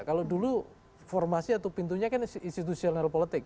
kalau dulu formasi atau pintunya kan institutional neuro politik